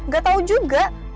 gak tau juga